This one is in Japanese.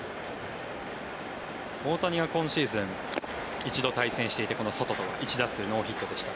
大谷は今シーズン１度対戦していてこのソトと１打数ノーヒットでした。